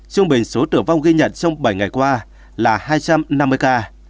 trung bình số tử vong ghi nhận trong bảy ngày qua là hai trăm năm mươi ca